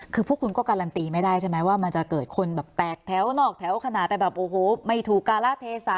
คือพวกคุณก็การันตีไม่ได้ใช่ไหมว่ามันจะเกิดคนแบบแตกแถวนอกแถวขนาดไปแบบโอ้โหไม่ถูกการะเทศะ